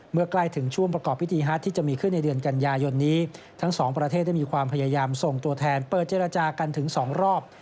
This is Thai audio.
เมื่อใกล้ถึงช่วงประกอบพิธีฮัตที่จะมีขึ้นในเดือนกันยายนนี้ทั้งสองประเทศได้มีความพยายามส่งตัวแทนเปิดเจรจากันถึง๒รอบ